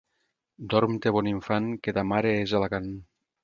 Dorm-te, bon infant, que ta mare és a Alacant.